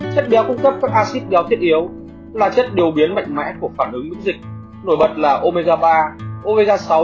chất béo cung cấp các axit béo thiết yếu là chất điều biến mạnh mẽ của phản ứng dưỡng dịch nổi bật là omega ba omega sáu chống viêm thần kinh linolix acid cũng làm giảm mất cảm diện ứng